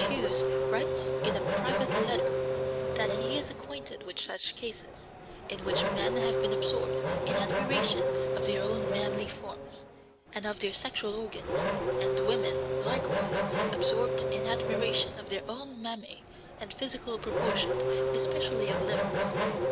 Hughes writes (in a private letter) that he is acquainted with such cases, in which men have been absorbed in admiration of their own manly forms, and of their sexual organs, and women, likewise, absorbed in admiration of their own mammæ and physical proportions, especially of limbs.